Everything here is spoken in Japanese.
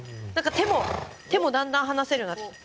手も、だんだん離せるようになってきた。